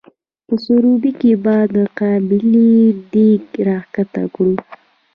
په سروبي کې به د قابلي دیګ را ښکته کړو؟